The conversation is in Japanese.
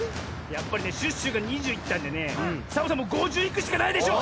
やっぱりねシュッシュが２０いったんでねサボさんもう５０いくしかないでしょ。